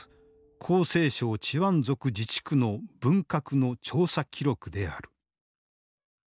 広西省チワン族自治区の文革の調査記録である。